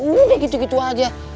udah gitu gitu aja